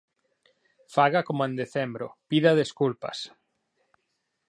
Faga como en decembro: pida desculpas.